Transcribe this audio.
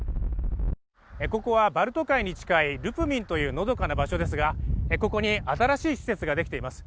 ここはバルト海に近いルプミンというのどかな場所ですがここに新しい施設ができています